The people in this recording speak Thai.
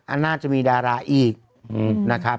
น่าจะมีดาราอีกนะครับ